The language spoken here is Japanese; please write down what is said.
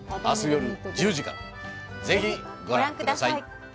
明日よる１０時からぜひご覧ください